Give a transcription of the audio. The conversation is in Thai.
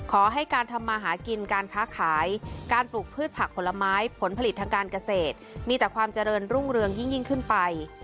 ขอให้การทำมาหากินการค้าขายการปลูกพืชผักผลไม้ผลผลิตทางการเกษตรมีแต่ความเจริญรุ่งเรืองยิ่งขึ้นไป